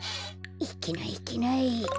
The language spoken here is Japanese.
いけないいけない。